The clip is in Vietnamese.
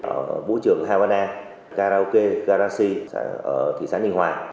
ở vũ trường havana karaoke garage ở thị xã ninh hòa